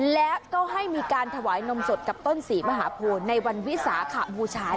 แล้วก็ให้มีการถวายนมสดกับต้นศรีมหาโพลในวันวิสาขบูชา